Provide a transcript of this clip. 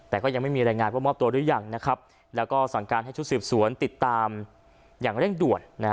แล้วก็สอนการให้ชุดสีบสวนติดตามอย่างเร่งด่วน